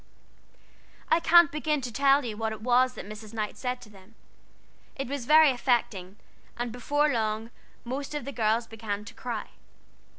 I can't begin to tell you what it was that Mrs. Knight said to them: it was very affecting, and before long most of the girls began to cry.